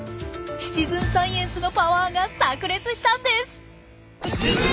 シチズンサイエンスのパワーがさく裂したんです！